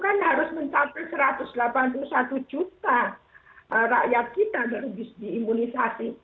kan harus mencapai satu ratus delapan puluh satu juta rakyat kita harus diimunisasi